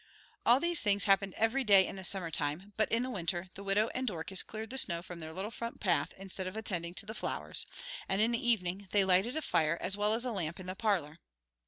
All these things happened every day in the summer time, but in the winter the widow and Dorcas cleared the snow from their little front path instead of attending to the flowers, and in the evening they lighted a fire as well as a lamp in the parlor.